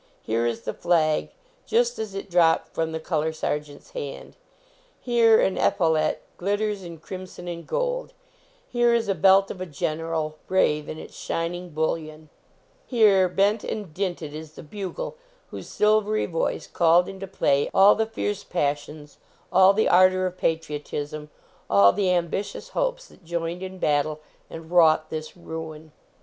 Here is the flag, just as it dropped from the color sergeant s hand. Here an epaulet glitters in crimson and gold ; here is a belt of a general, brave in its shining bullion; here, bent and dinted, is the bugle whose silvery voice called into play all the fierce passions, all the ardor of patriotism, all the ambitious hopes that joined in battle and wrought this ruin.